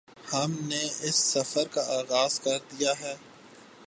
ہم نے اس سفر کا آغاز کردیا ہے